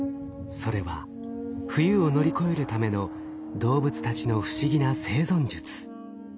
それは冬を乗り越えるための動物たちの不思議な生存術。